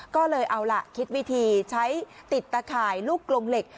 ก็เลยเอาล่ะคิดวิธีใช้ติดตะข่ายลูกกลงเหล็ก